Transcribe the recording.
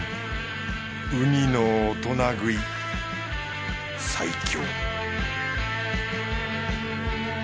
ウニの大人食い最強